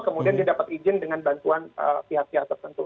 kemudian dia dapat izin dengan bantuan pihak pihak tertentu